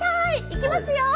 行きますよ！